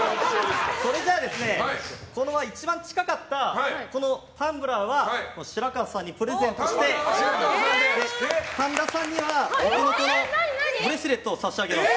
それじゃあ一番近かったタンブラーは白河さんにプレゼントして神田さんにはこのブレスレットを差し上げます。